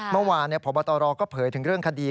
เมื่อวานพบตรก็เผยถึงเรื่องคดี